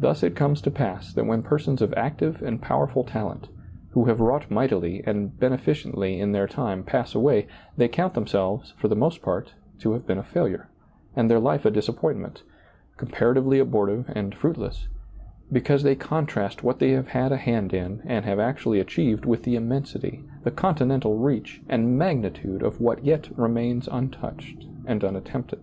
Thus it comes to pass that when persons of active and powerful talent, who have wrought mightily and beneficently in their time, pass away, they count themselves, for the most part, to have been a failure, and their life a disappointment, comparatively abortive and fruitless; because they contrast what they have had a hand in and have actually achieved with the immensity, the continental reach, and magni tude of what yet remains untouched and unat tempted.